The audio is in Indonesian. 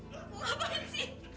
loh ngapain sih